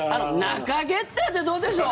ナカゲッタってどうでしょう？